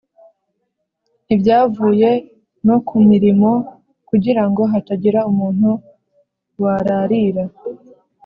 ntibyavuye no ku mirimo, kugira ngo hatagira umuntu wirarira"